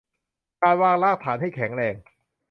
การวางรากฐานให้แข็งแรง